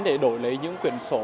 để đổi lấy những quyển sổ